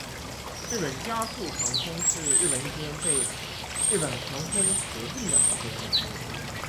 日本佳速航空是日本一间被日本航空合并的航空公司。